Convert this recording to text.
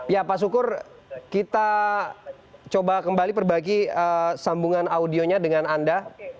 ya pak sukur kita coba kembali perbagi sambungan audionya dengan anda